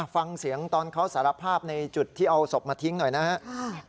ฟังเสียงตอนเขาสารภาพในจุดที่เอาศพมาทิ้งหน่อยนะครับ